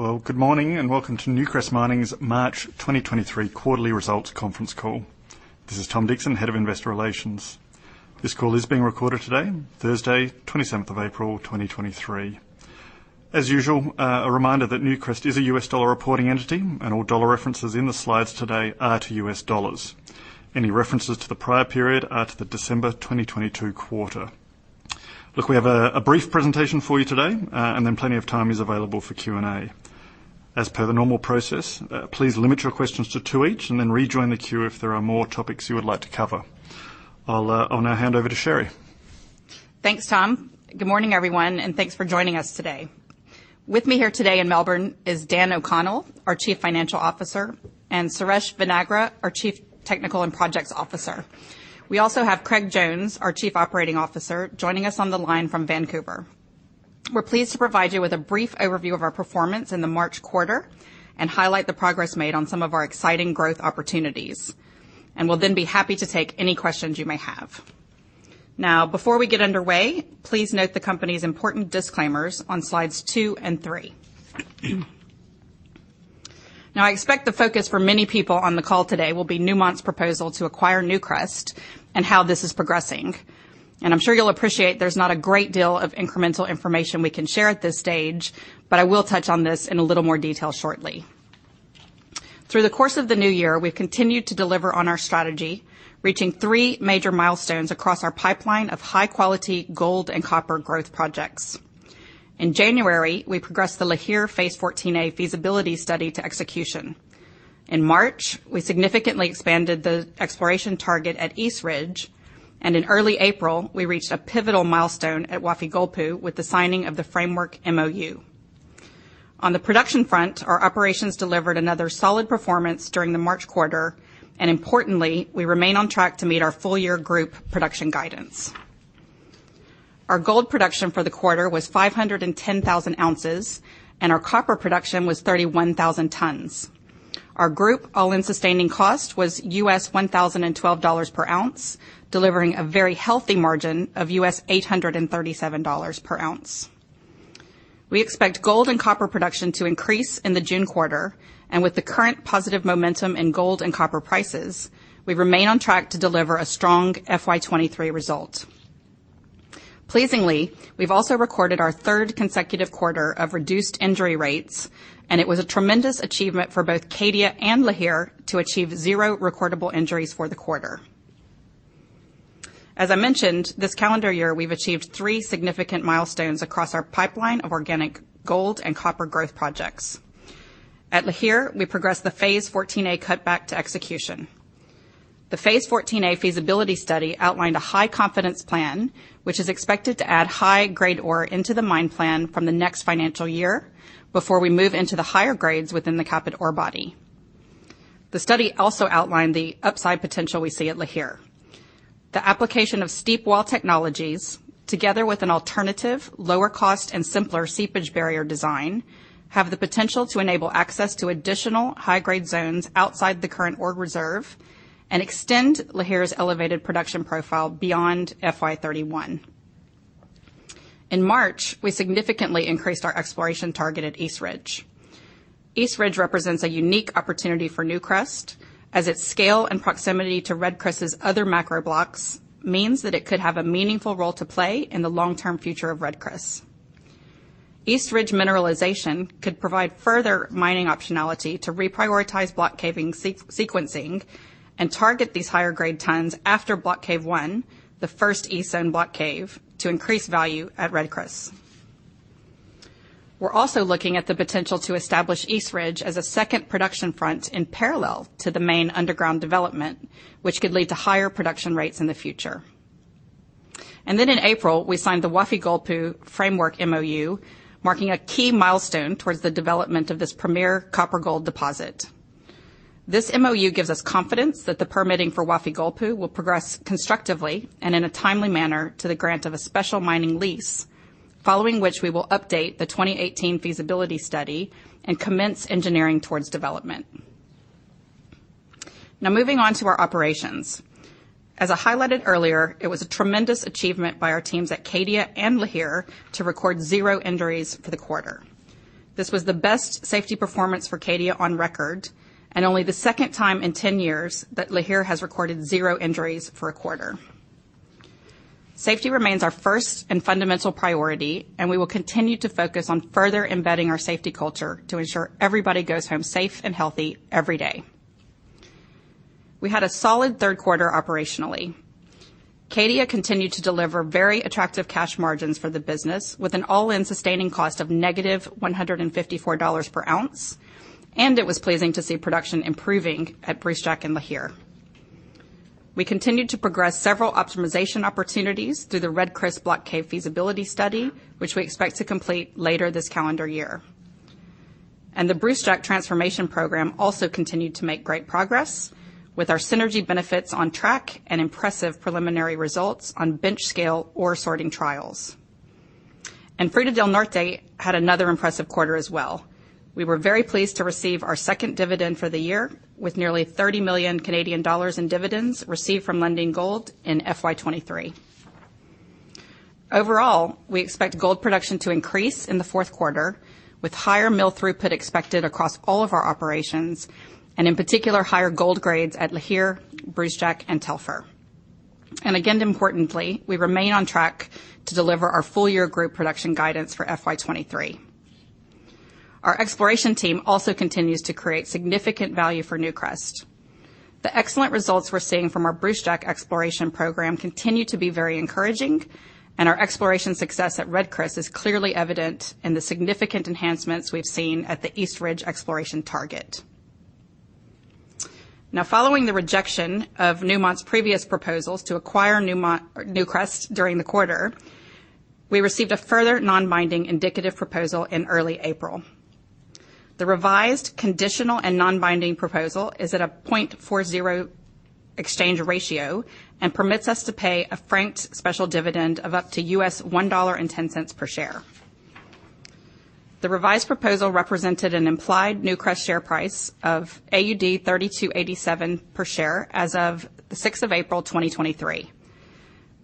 Well, good morning and welcome to Newcrest Mining's March 2023 quarterly results conference call. This is Tom Dixon, head of investor relations. This call is being recorded today, Thursday, 27th of April, 2023. As usual, a reminder that Newcrest is a US dollar reporting entity and all dollar references in the slides today are to US dollars. Any references to the prior period are to the December 2022 quarter. Look, we have a brief presentation for you today, and then plenty of time is available for Q&A. As per the normal process, please limit your questions to two each and then rejoin the queue if there are more topics you would like to cover. I'll now hand over to Sherry. Thanks, Tom. Good morning, everyone, and thanks for joining us today. With me here today in Melbourne is Dan O'Connell, our Chief Financial Officer, and Suresh Vadnagra, our Chief Technical and Projects Officer. We also have Craig Jones, our Chief Operating Officer, joining us on the line from Vancouver. We're pleased to provide you with a brief overview of our performance in the March quarter and highlight the progress made on some of our exciting growth opportunities, and we'll then be happy to take any questions you may have. Before we get underway, please note the company's important disclaimers on slides two and three. I expect the focus for many people on the call today will be Newmont's proposal to acquire Newcrest and how this is progressing. I'm sure you'll appreciate there's not a great deal of incremental information we can share at this stage, but I will touch on this in a little more detail shortly. Through the course of the new year, we've continued to deliver on our strategy, reaching 3 major milestones across our pipeline of high-quality gold and copper growth projects. In January, we progressed the Lihir phase XIVA Feasibility Study to execution. In March, we significantly expanded the Exploration Target at East Ridge, and in early April, we reached a pivotal milestone at Wafi-Golpu with the signing of the framework MoU. On the production front, our operations delivered another solid performance during the March quarter, and importantly, we remain on track to meet our full year group production guidance. Our gold production for the quarter was 510,000 ounces, and our copper production was 31,000 tons. Our group all-in sustaining cost was US$1,012 per ounce, delivering a very healthy margin of US$837 per ounce. We expect gold and copper production to increase in the June quarter, and with the current positive momentum in gold and copper prices, we remain on track to deliver a strong FY 2023 result. Pleasingly, we've also recorded our third consecutive quarter of reduced injury rates, and it was a tremendous achievement for both Cadia and Lihir to achieve zero recordable injuries for the quarter. As I mentioned, this calendar year we've achieved three significant milestones across our pipeline of organic gold and copper growth projects. At Lihir, we progressed the phase XIVA cutback to execution. The phase XIVA Feasibility Study outlined a high confidence plan, which is expected to add high-grade ore into the mine plan from the next financial year before we move into the higher grades within the capped ore body. The study also outlined the upside potential we see at Lihir. The application of steep wall technologies, together with an alternative lower cost and simpler seepage barrier design, have the potential to enable access to additional high-grade zones outside the current Ore Reserve and extend Lihir's elevated production profile beyond FY 31. In March, we significantly increased our Exploration Target at East Ridge. East Ridge represents a unique opportunity for Newcrest as its scale and proximity to Red Chris' other Macro Blocks means that it could have a meaningful role to play in the long-term future of Red Chris. East Ridge mineralization could provide further mining optionality to reprioritize block caving sequencing and target these higher grade tons after Block Cave 1, the first East Zone block cave, to increase value at Red Chris. We're also looking at the potential to establish East Ridge as a second production front in parallel to the main underground development, which could lead to higher production rates in the future. In April, we signed the Wafi-Golpu framework MoU, marking a key milestone towards the development of this premier copper gold deposit. This MoU gives us confidence that the permitting for Wafi-Golpu will progress constructively and in a timely manner to the grant of a special mining lease, following which we will update the 2018 Feasibility Study and commence engineering towards development. Moving on to our operations. As I highlighted earlier, it was a tremendous achievement by our teams at Cadia and Lihir to record 0 injuries for the quarter. This was the best safety performance for Cadia on record, and only the second time in 10 years that Lihir has recorded 0 injuries for a quarter. Safety remains our first and fundamental priority, and we will continue to focus on further embedding our safety culture to ensure everybody goes home safe and healthy every day. We had a solid 3rd quarter operationally. Cadia continued to deliver very attractive cash margins for the business with an all-in sustaining cost of negative $154 per ounce, and it was pleasing to see production improving at Brucejack and Lihir. We continued to progress several optimization opportunities through the Red Chris Block Cave Feasibility Study, which we expect to complete later this calendar year. The Brucejack Transformation Program also continued to make great progress with our synergy benefits on track and impressive preliminary results on bench scale ore sorting trials. Fruta del Norte had another impressive quarter as well. We were very pleased to receive our second dividend for the year with nearly 30 million Canadian dollars in dividends received from Lundin Gold in FY 2023. Overall, we expect gold production to increase in the fourth quarter with higher mill throughput expected across all of our operations and in particular, higher gold grades at Lihir, Brucejack and Telfer. Again, importantly, we remain on track to deliver our full year group production guidance for FY 2023. Our exploration team also continues to create significant value for Newcrest. The excellent results we're seeing from our Brucejack exploration program continue to be very encouraging, and our exploration success at Red Chris is clearly evident in the significant enhancements we've seen at the East Ridge Exploration Target. Now, following the rejection of Newmont's previous proposals to acquire Newcrest during the quarter, we received a further non-binding indicative proposal in early April. The revised conditional and non-binding proposal is at a 0.40 exchange ratio and permits us to pay a franked special dividend of up to $1.10 per share. The revised proposal represented an implied Newcrest share price of AUD 32.87 per share as of the 6th of April 2023.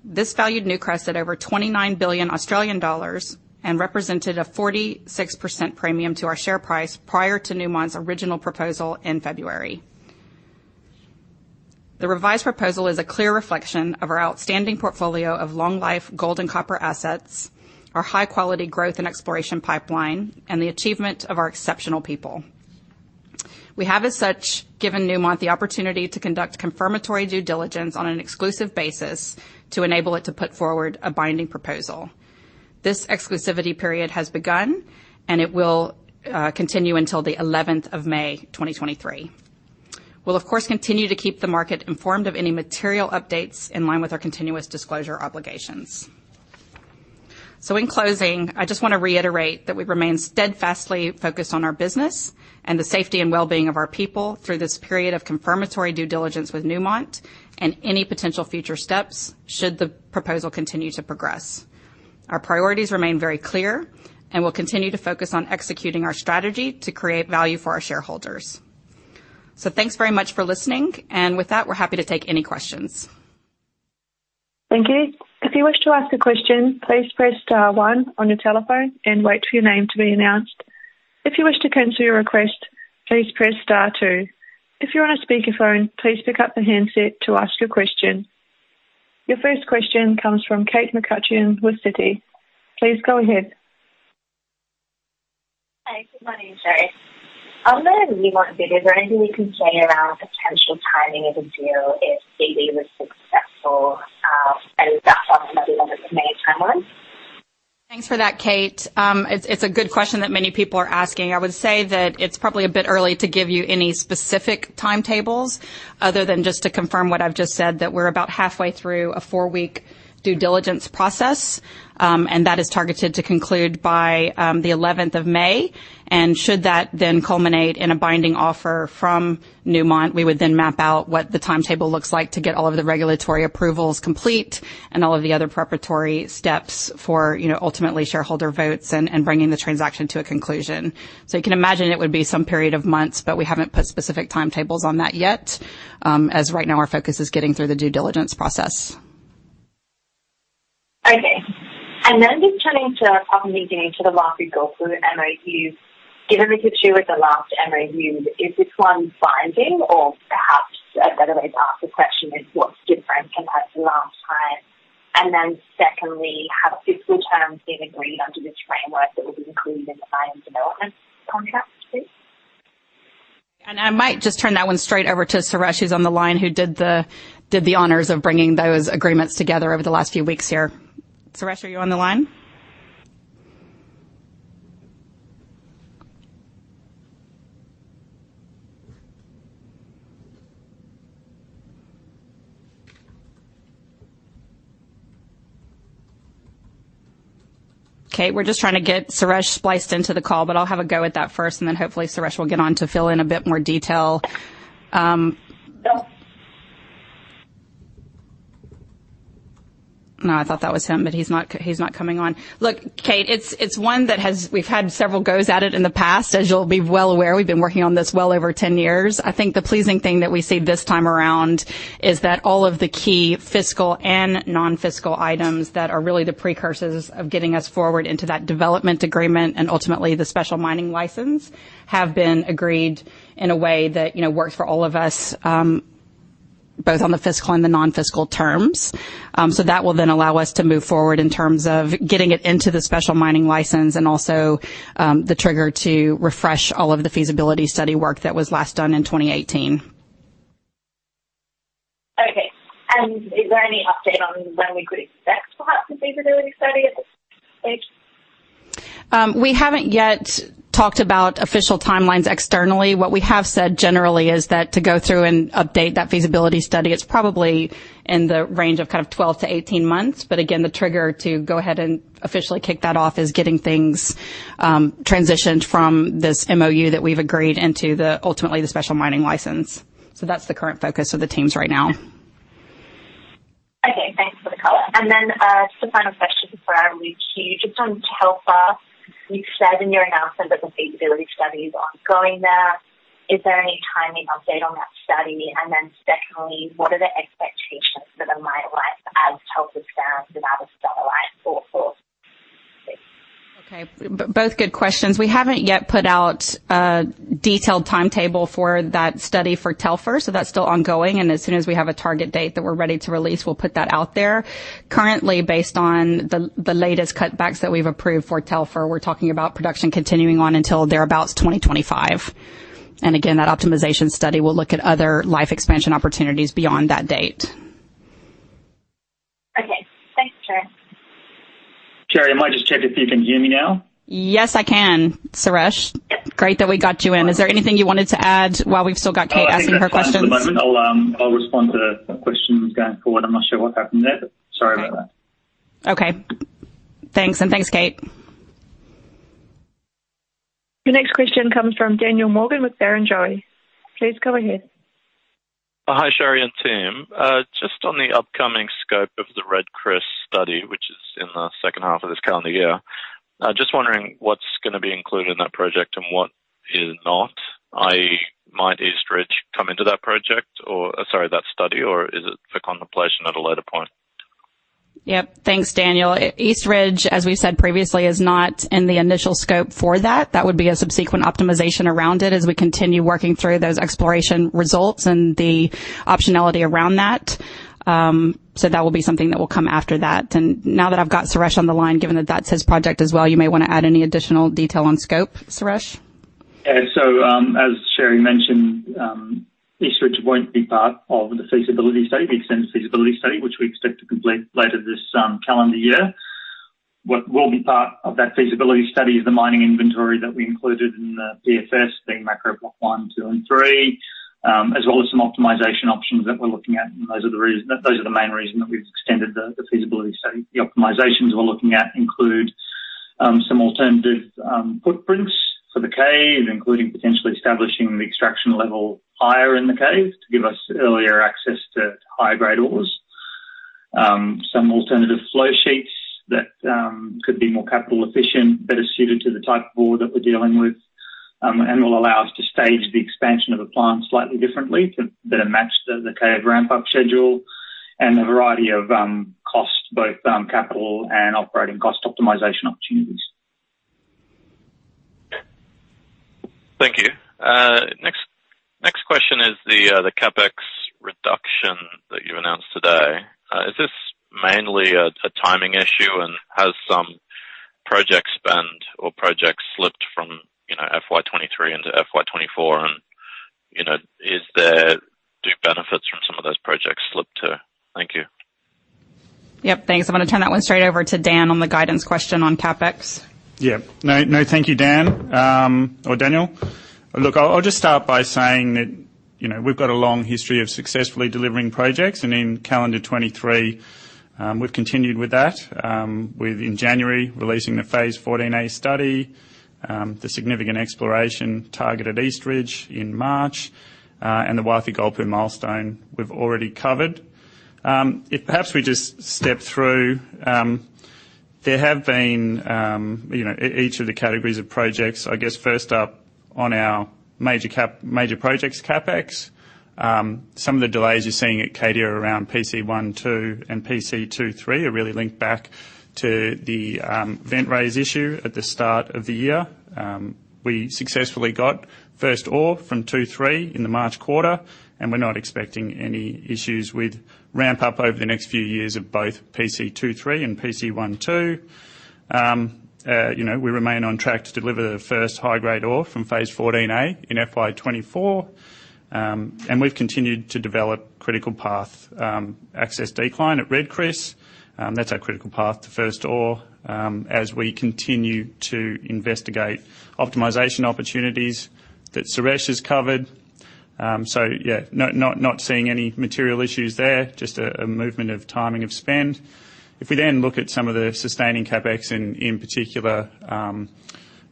This valued Newcrest at over 29 billion Australian dollars and represented a 46% premium to our share price prior to Newmont's original proposal in February. The revised proposal is a clear reflection of our outstanding portfolio of long life gold and copper assets, our high quality growth and exploration pipeline, and the achievement of our exceptional people. We have, as such, given Newmont the opportunity to conduct confirmatory due diligence on an exclusive basis to enable it to put forward a binding proposal. This exclusivity period has begun, and it will continue until the 11th of May 2023. We'll of course, continue to keep the market informed of any material updates in line with our continuous disclosure obligations. In closing, I just wanna reiterate that we remain steadfastly focused on our business and the safety and well-being of our people through this period of confirmatory due diligence with Newmont and any potential future steps should the proposal continue to progress. Our priorities remain very clear, and we'll continue to focus on executing our strategy to create value for our shareholders. Thanks very much for listening. With that, we're happy to take any questions. Thank you. If you wish to ask a question, please press star one on your telephone and wait for your name to be announced. If you wish to cancel your request, please press star two. If you're on a speaker phone, please pick up the handset to ask your question. Your first question comes from Kate McCutcheon with Citi. Please go ahead. Hi, good morning, Sherry. On the Newmont bid, is there anything you can say around potential timing of the deal if DD was successful? Is that something that we look at the May timeline? Thanks for that, Kate. It's a good question that many people are asking. I would say that it's probably a bit early to give you any specific timetables other than just to confirm what I've just said, that we're about halfway through a 4-week due diligence process, and that is targeted to conclude by the 11th of May. Should that then culminate in a binding offer from Newmont, we would then map out what the timetable looks like to get all of the regulatory approvals complete and all of the other preparatory steps for, you know, ultimately shareholder votes and bringing the transaction to a conclusion. You can imagine it would be some period of months, but we haven't put specific timetables on that yet, as right now our focus is getting through the due diligence process. Okay. Just turning to, probably getting to the Lihir-Golpu MoU. Given the history with the last MoU, is this one binding or perhaps a better way to ask the question is what's different compared to last time? Secondly, have fiscal terms been agreed under the framework that will be included in the mine development contract, please? I might just turn that one straight over to Suresh, who's on the line, who did the honors of bringing those agreements together over the last few weeks here. Suresh, are you on the line? Okay, we're just trying to get Suresh spliced into the call, but I'll have a go at that first, and then hopefully Suresh will get on to fill in a bit more detail. Yep. No, I thought that was him, but he's not, he's not coming on. Look, Kate, it's one that we've had several goes at it in the past. As you'll be well aware, we've been working on this well over 10 years. I think the pleasing thing that we see this time around is that all of the key fiscal and non-fiscal items that are really the precursors of getting us forward into that development agreement and ultimately the Special Mining Lease, have been agreed in a way that, you know, works for all of us, both on the fiscal and the non-fiscal terms. That will then allow us to move forward in terms of getting it into the Special Mining Lease and also, the trigger to refresh all of the Feasibility Study work that was last done in 2018. Okay. Is there any update on when we could expect perhaps the Feasibility Study at this stage? We haven't yet talked about official timelines externally. We have said generally is that to go through and update that Feasibility Study, it's probably in the range of kind of 12 to 18 months. Again, the trigger to go ahead and officially kick that off is getting things transitioned from this MoU that we've agreed into the ultimately the Special Mining License. That's the current focus of the teams right now. Okay, thanks for the color. Just a final question before I reach you. Just on Telfer, you've said in your announcement that the Feasibility Study is ongoing there. Is there any timing update on that study? Secondly, what are the expectations for the mine life as Telfer sounds without a satellite for this? Okay. Both good questions. We haven't yet put out a detailed timetable for that study for Telfer, so that's still ongoing, and as soon as we have a target date that we're ready to release, we'll put that out there. Currently, based on the latest cutbacks that we've approved for Telfer, we're talking about production continuing on until thereabouts 2025. Again, that optimization study will look at other life expansion opportunities beyond that date. Okay. Thanks, Sherry. Sherry, I might just check if you can hear me now? Yes, I can, Suresh. Yep. Great that we got you in. Is there anything you wanted to add while we've still got Kate asking her questions? No, I think that's fine for the moment. I'll respond to some questions going forward. I'm not sure what happened there, but sorry about that. Okay. Thanks, and thanks, Kate. The next question comes from Daniel Morgan with Barrenjoey. Please go ahead. Hi, Sherry and team. Just on the upcoming scope of the Red Chris study, which is in the second half of this calendar year. I was just wondering what's gonna be included in that project and what is not. Might East Ridge come into that project or, sorry, that study, or is it for contemplation at a later point? Yep. Thanks, Daniel. East Ridge, as we said previously, is not in the initial scope for that. That would be a subsequent optimization around it as we continue working through those exploration results and the optionality around that. That will be something that will come after that. Now that I've got Suresh on the line, given that that's his project as well, you may wanna add any additional detail on scope, Suresh. Yeah. As Sherry mentioned, East Ridge won't be part of the feasibility study, the extended feasibility study, which we expect to complete later this calendar year. What will be part of that feasibility study is the mining inventory that we included in the PFS, being Macro Block 1, 2, and 3, as well as some optimization options that we're looking at. Those are the main reason that we've extended the feasibility study. The optimizations we're looking at include some alternative footprints for the cave, including potentially establishing the extraction level higher in the cave to give us earlier access to higher-grade ores. Some alternative flow sheets that could be more capital efficient, better suited to the type of ore that we're dealing with, and will allow us to stage the expansion of the plant slightly differently to better match the cave ramp up schedule and a variety of costs, both capital and operating cost optimization opportunities. Thank you. Next question is the CapEx reduction that you announced today. Is this mainly a timing issue and has some project spend or projects slipped from, you know, FY 2023 into FY 2024, and, you know, Do benefits from some of those projects slip too? Thank you. Yep, thanks. I'm gonna turn that one straight over to Dan on the guidance question on CapEx. Yeah. No, no thank you, Dan, or Daniel. Look, I'll just start by saying that, you know, we've got a long history of successfully delivering projects, and in calendar 2023, we've continued with that, with in January releasing the phase XIVA study, the significant Exploration Target at East Ridge in March, and the Wafi-Golpu milestone we've already covered. If perhaps we just step through, there have been, you know, each of the categories of projects. I guess first up on our major projects CapEx, some of the delays you're seeing at Cadia around PC1-2 and PC2-3 are really linked back to the vent raise issue at the start of the year. We successfully got first ore from PC2-3 in the March quarter. We're not expecting any issues with ramp up over the next few years of both PC2-3 and PC1-2. You know, we remain on track to deliver the first high-grade ore from phase XIVA in FY 2024. We've continued to develop critical path access decline at Red Chris. That's our critical path to first ore as we continue to investigate optimization opportunities that Suresh has covered. Yeah, not seeing any material issues there, just a movement of timing of spend. If we then look at some of the sustaining CapEx in particular, the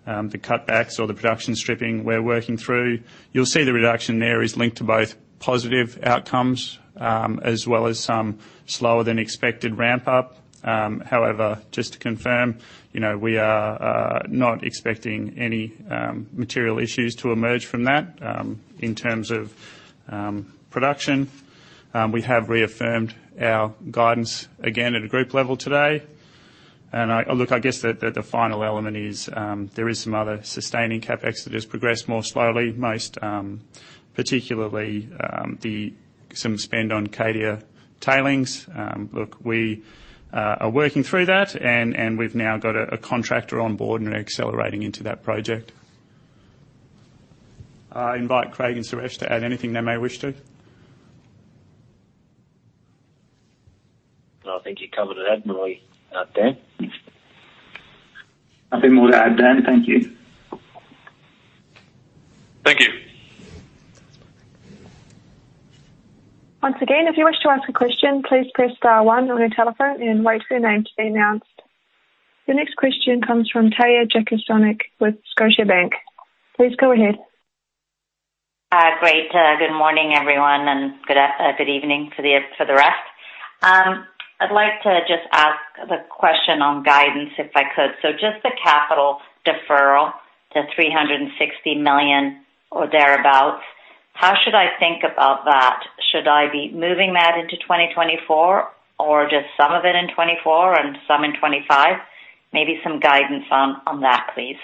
cutbacks or the production stripping we're working through, you'll see the reduction there is linked to both positive outcomes, as well as some slower than expected ramp up. However, just to confirm, you know, we are not expecting any material issues to emerge from that. In terms of production, we have reaffirmed our guidance again at a group level today. I... Look, I guess the final element is, there is some other sustaining CapEx that has progressed more slowly, most particularly, some spend on Cadia tailings. Look, we are working through that and we've now got a contractor on board and are accelerating into that project. I invite Craig and Suresh to add anything they may wish to. No, I think you covered it admirably, Dan. Nothing more to add, Dan. Thank you. Thank you. Once again, if you wish to ask a question, please press star one on your telephone and wait for your name to be announced. The next question comes from Tanya Jakusconek with Scotiabank. Please go ahead. Great. Good morning, everyone, and good evening for the rest. I'd like to just ask the question on guidance, if I could. Just the capital deferral to $360 million or thereabout, how should I think about that? Should I be moving that into 2024 or just some of it in 2024 and some in 2025? Maybe some guidance on that, please.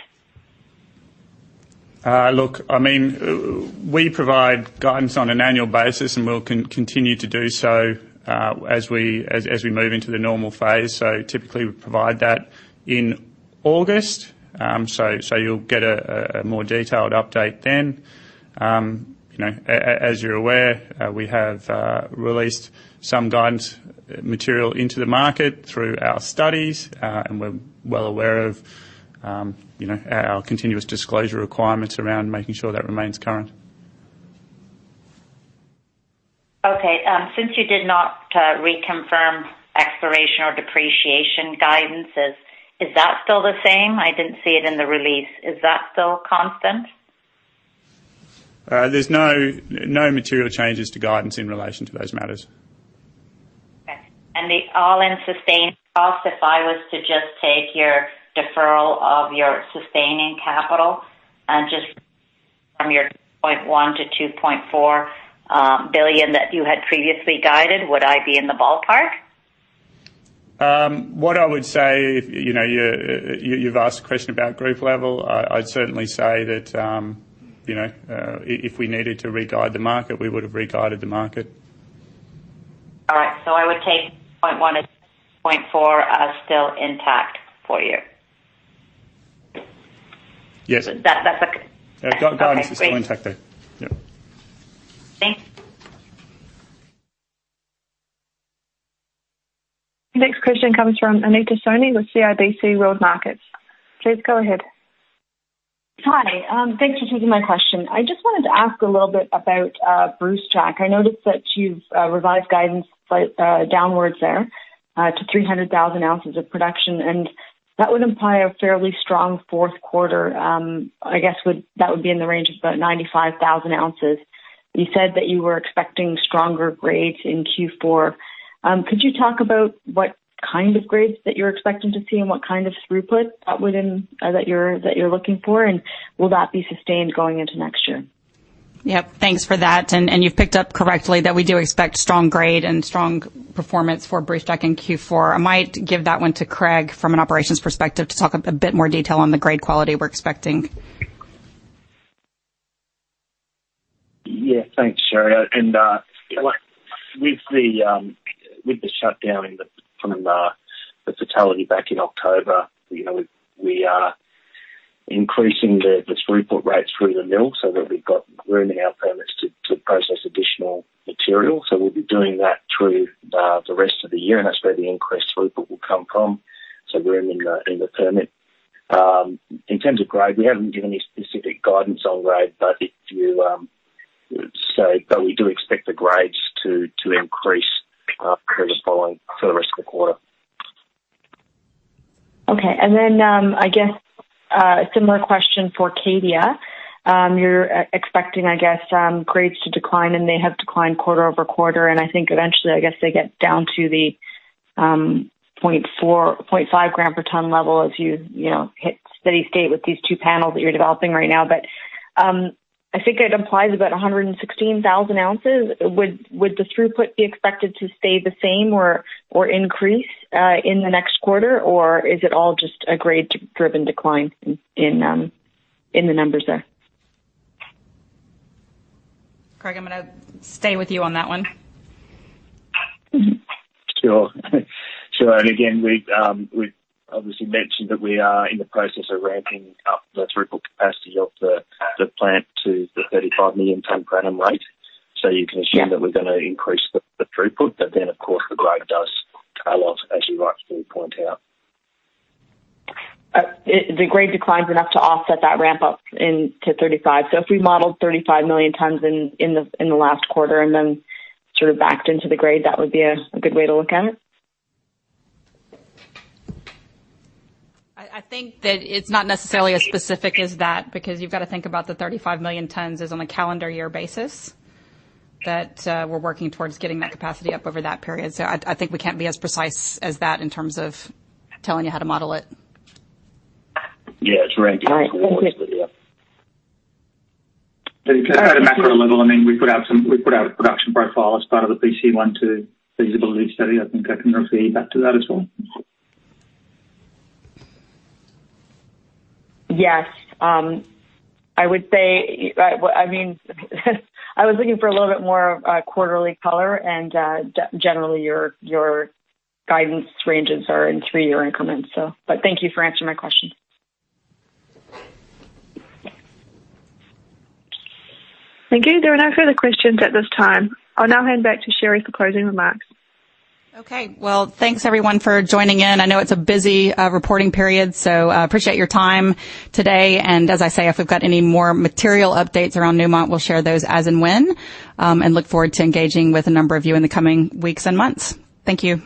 Look, I mean, we provide guidance on an annual basis, and we'll continue to do so, as we move into the normal phase. Typically we provide that in August. You'll get a more detailed update then. You know, as you're aware, we have released some guidance material into the market through our studies, and we're well aware of, you know, our continuous disclosure requirements around making sure that remains current. Since you did not reconfirm exploration or depreciation guidances, is that still the same? I didn't see it in the release. Is that still constant? There's no material changes to guidance in relation to those matters. Okay. The all-in sustaining cost, if I was to just take your deferral of your sustaining capital and just from your $0.1 billion to $2.4 billion that you had previously guided, would I be in the ballpark? What I would say, you know, you've asked a question about group level. I'd certainly say that, you know, if we needed to re-guide the market, we would have re-guided the market. All right. I would take 0.1 to 0.4 as still intact for you. Yes. That's okay. That guidance is still intact, though. Yep. Thanks. The next question comes from Anita Soni with CIBC World Markets. Please go ahead. Hi. Thanks for taking my question. I just wanted to ask a little bit about Brucejack. I noticed that you've revised guidance downwards there, to 300,000 ounces of production. That would imply a fairly strong fourth quarter. I guess that would be in the range of about 95,000 ounces. You said that you were expecting stronger grades in Q4. Could you talk about what kind of grades that you're expecting to see and what kind of throughput that you're looking for? Will that be sustained going into next year? Yep. Thanks for that. And you've picked up correctly that we do expect strong grade and strong performance for Brucejack in Q4. I might give that one to Craig from an operations perspective to talk a bit more detail on the grade quality we're expecting. Yeah. Thanks, Sherry. With the shutdown in the, from the fatality back in October, you know, we are increasing the throughput rates through the mill so that we've got room in our permits to process additional material. We'll be doing that through the rest of the year, and that's where the increased throughput will come from, so room in the permit. In terms of grade, we haven't given any specific guidance on grade, but we do expect the grades to increase current following for the rest of the quarter. Okay. I guess, similar question for Cadia. You're expecting, I guess, grades to decline, and they have declined quarter-over-quarter, and I think eventually, I guess, they get down to the 0.4, 0.5 gram per ton level as you know, hit steady state with these two panels that you're developing right now. I think it implies about 116,000 ounces. Would the throughput be expected to stay the same or increase in the next quarter, or is it all just a grade driven decline in the numbers there? Craig, I'm gonna stay with you on that one. Sure. Sure. Again, we've obviously mentioned that we are in the process of ramping up the throughput capacity of the plant to the 35 million ton per annum rate. You can assume. Yeah. that we're gonna increase the throughput. Of course, the grade does tail off, as you rightly point out. The grade declines enough to offset that ramp up into 35. If we modeled 35 million tons in the last quarter and then sort of backed into the grade, that would be a good way to look at it? I think that it's not necessarily as specific as that because you've got to think about the 35 million tons is on a calendar year basis that we're working towards getting that capacity up over that period. I think we can't be as precise as that in terms of telling you how to model it. Yeah. It's very difficult- All right. Thank you. to do that. At a macro level, I mean, we put out a production profile as part of the PC1-2 Feasibility Study. I think I can refer you back to that as well. Yes. I would say, well, I mean, I was looking for a little bit more quarterly color, and, generally, your guidance ranges are in three-year increments, so. Thank you for answering my question. Thank you. There are no further questions at this time. I'll now hand back to Sherry for closing remarks. Okay. Well, thanks everyone for joining in. I know it's a busy reporting period, so appreciate your time today. As I say, if we've got any more material updates around Newmont, we'll share those as and when, and look forward to engaging with a number of you in the coming weeks and months. Thank you.